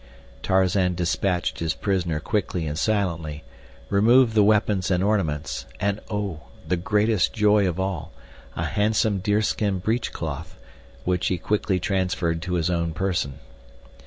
Tarzan dispatched his prisoner quickly and silently; removed the weapons and ornaments, and—oh, the greatest joy of all—a handsome deerskin breechcloth, which he quickly transferred to his own person.